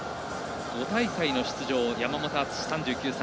５大会の出場、山本篤、３９歳。